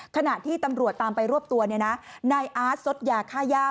ขณะที่ตำรวจตามไปรวบตัวนายอาร์ตซดยาค่าย่า